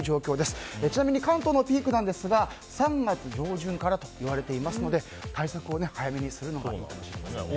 ちなみに関東のピークは３月上旬からといわれているので対策を早めにするのがよろしいですね。